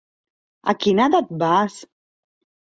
A quina edat vas?